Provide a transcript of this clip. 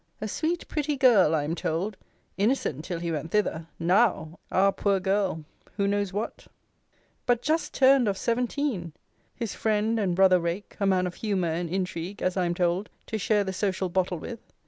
A sweet pretty girl, I am told innocent till he went thither Now! (Ah! poor girl!) who knows what? But just turned of seventeen! His friend and brother rake (a man of humour and intrigue) as I am told, to share the social bottle with.